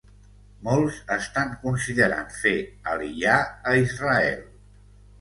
Molts estan considerant fer aliyà a Israel.